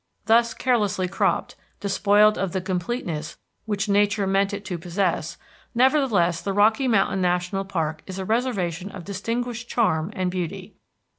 Thus carelessly cropped, despoiled of the completeness which Nature meant it to possess, nevertheless the Rocky Mountain National Park is a reservation of distinguished charm and beauty.